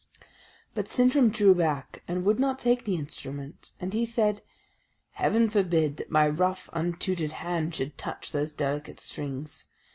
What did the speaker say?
But Sintram drew back, and would not take the instrument; and he said, "Heaven forbid that my rough untutored hand should touch those delicate strings!